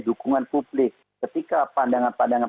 dukungan publik ketika pandangan pandangan